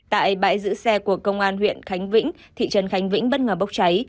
tại bãi giữ xe của công an huyện khánh vĩnh thị trấn khánh vĩnh bất ngờ bốc cháy